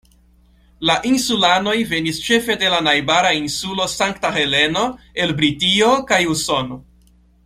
La insulanoj venis ĉefe de la najbara insulo Sankta Heleno, el Britio kaj Usono.